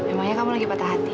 emangnya kamu lagi patah hati